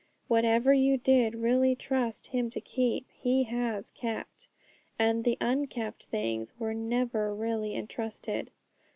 Whatever you did really trust Him to keep, He has kept, and the unkept things were never really entrusted.